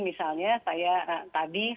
misalnya saya tadi saya ada di kampung di bandung